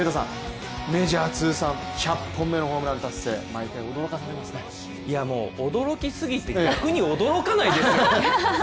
メジャー通算１００本目のホームラン達成、驚かされすぎて逆に驚かないですよ！